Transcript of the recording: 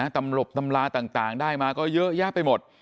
ตำหลบตำราต่างได้มาก็เยอะแยะไปหมด